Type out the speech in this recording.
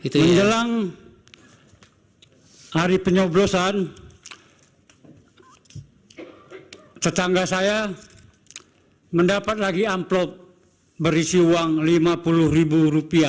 menjelang hari penyoblosan tetangga saya mendapat lagi amplop berisi uang lima puluh ribu rupiah